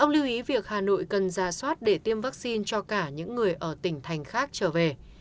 ông lưu ý việc hà nội cần ra soát để tiêm vaccine cho cả những người ở tỉnh thành khác trở về